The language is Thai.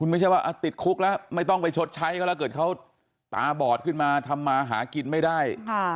ไม่ใช่ว่าติดคุกแล้วไม่ต้องไปชดใช้เขาแล้วเกิดเขาตาบอดขึ้นมาทำมาหากินไม่ได้